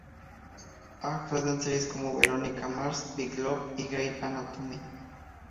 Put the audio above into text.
Ha actuado en series como "Veronica Mars", "Big Love" y "Grey's Anatomy".